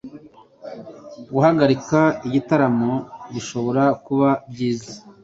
Guhagarika igitaramo bishobora kuba byiza,